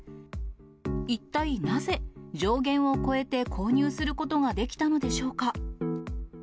一体なぜ、上限を超えて購入することができたのでしょうか。